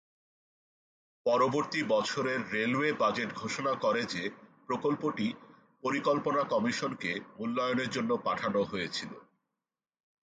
পরবর্তী বছরের রেলওয়ের বাজেট ঘোষণা করে যে প্রকল্পটি পরিকল্পনা কমিশনকে মূল্যায়নের জন্য পাঠানো হয়েছিল।